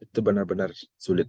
itu benar benar sulit